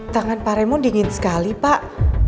tangan pak remo dingin sekali pak